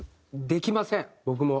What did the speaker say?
できません僕も。